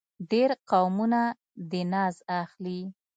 ډېر قومونه دې ناز اخلي.